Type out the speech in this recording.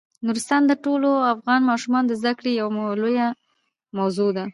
نورستان د ټولو افغان ماشومانو د زده کړې یوه لویه موضوع ده.